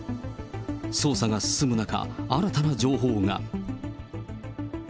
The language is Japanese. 捜査が進む中、新たな情報が。